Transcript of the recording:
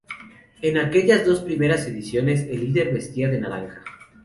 En aquellas dos primeras ediciones, el líder vestía de naranja.